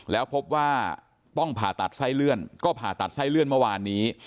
แล้วพบว่าต้องผ่าตัดไส้เลื่อนก็ผ่าตัดไส้เลื่อนเมื่อวานนี้